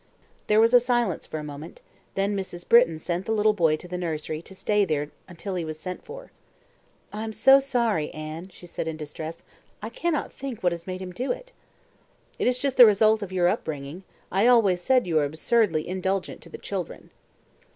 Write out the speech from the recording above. There was silence for a moment; then Mrs. Britton sent the little boy to the nursery to stay there till he was sent for. "I am so sorry, Anne," she said in distress. "I cannot think what has made him do it." "It is just the result of your upbringing. I always said you were absurdly indulgent to the children."